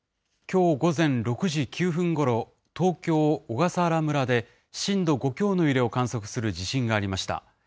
きょう午前６時９分ごろ、東京・小笠原村で、震度５強の揺れを観測する地震がありました。